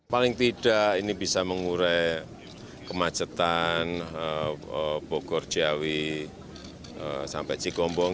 paling tidak ini bisa mengurai kemacetan bogor ciawi sampai cigombong